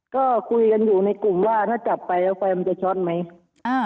ก็คุยกันอยู่ในกลุ่มว่าถ้าจับไปแล้วไฟมันจะช็อตไหม